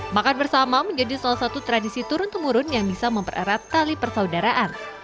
makan bersama menjadi salah satu tradisi turun temurun yang bisa mempererat tali persaudaraan